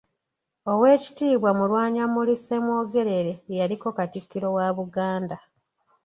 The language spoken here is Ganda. Owekitiibwa Mulwanyammuli Ssemwogwrere yaliko katikkiro wa Buganda.